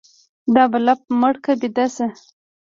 دا بلپ مړ که ويده شه.